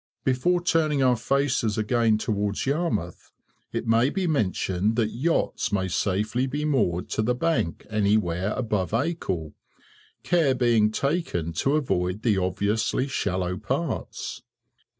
Before turning our faces again towards Yarmouth, it may be mentioned that yachts may safely be moored to the bank anywhere above Acle, care being taken to avoid the obviously shallow parts.